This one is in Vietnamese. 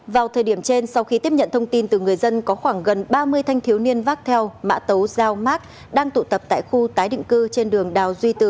vào thời điểm trên sau khi tiếp nhận thông tin từ người dân có khoảng gần ba mươi thanh thiếu niên vác theo mã tấu dao mát đang tụ tập tại khu tái định cư trên đường